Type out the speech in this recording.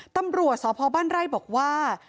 ตำรวจสพบ้านไร่บอกว่า